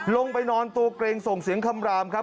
ลงไปนอนตัวเกรงส่งเสียงคำรามครับ